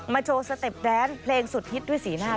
โชว์สเต็ปแดนซ์เพลงสุดฮิตด้วยสีหน้า